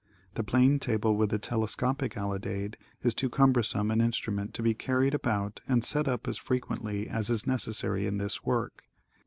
The plane table with the telescopic alidade is too cumbersome an instrument to be carried about and set up as frequently as is necessary in this work.